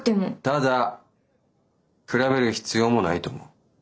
ただ比べる必要もないと思う。